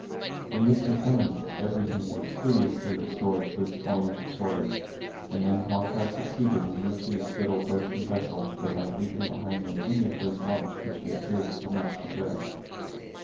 When this was done, everything was studiously restored to its former disorder; and then Hawkeye succeeded in reaching his little birchen vessel, without leaving behind him any of those marks which he appeared so much to dread.